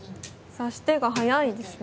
指し手が速いですね。